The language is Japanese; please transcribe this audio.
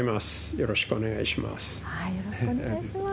よろしくお願いします。